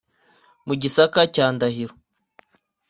Mu Gisaka cya Ndahiro !